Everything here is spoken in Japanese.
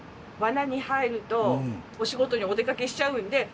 罠に入るとお仕事にお出かけしちゃうんで。